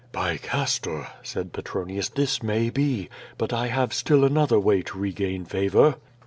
"By Castor!" said Petronius, "this may be. But I have still another way to regain favor."